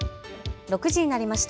６時になりました。